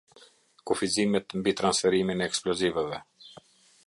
Kufizimet mbi Transferimin e Eksplozivëve.